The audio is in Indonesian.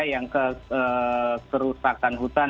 yang kerusakan hutan